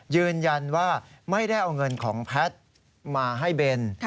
ยืนยันว่าไม่ได้เอาเงินของแพทย์มาให้เบน